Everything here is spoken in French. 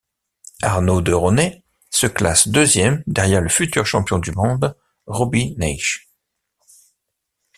Arnaud de Rosnay se classe deuxième derrière le futur champion du monde Robby Naish.